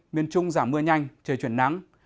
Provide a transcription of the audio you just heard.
miền trung giảm mưa nhanh trời chuyển nắng